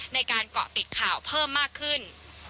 ในการเกาะติดข่าวเพิ่มมากขึ้น